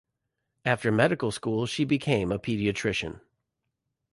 After medical school she became a pediatrician.